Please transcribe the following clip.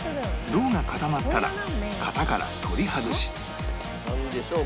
ろうが固まったら型から取り外しなんでしょう？